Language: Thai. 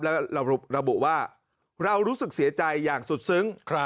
แล้วระบุว่าเรารู้สึกเสียใจอย่างสุดซึ้ง